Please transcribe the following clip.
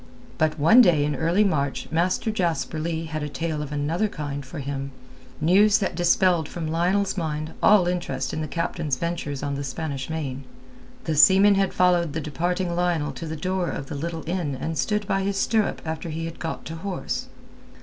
But one day in early March Master Jasper Leigh had a tale of another kind for him, news that dispelled from Lionel's mind all interest in the captain's ventures on the Spanish Main. The seaman had followed the departing Lionel to the door of the little inn and stood by his stirrup after he had got to horse.